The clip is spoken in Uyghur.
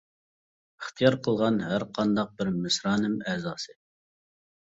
ئىختىيار قىلغان ھەرقانداق بىر مىسرانىم ئەزاسى.